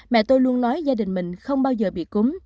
mẹ tôi luôn nói gia đình mình không bao giờ bị cúm